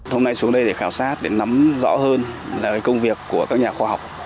hôm nay xuống đây để khảo sát để nắm rõ hơn là công việc của các nhà khoa học